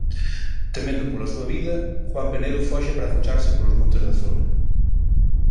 Temendo pola súa vida, Juan Penedo foxe para agocharse polos montes da zona.